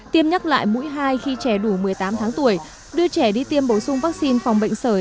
tiêm nhắc lại mũi hai khi trẻ đủ một mươi tám tháng tuổi đưa trẻ đi tiêm bổ sung vaccine phòng bệnh sởi